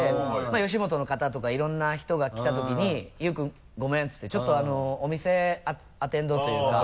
「吉本」の方とかいろんな人が来たときによく「ごめん」って言ってちょっとお店アテンドというか。